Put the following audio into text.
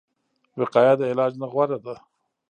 وقایه د علاج نه غوره ده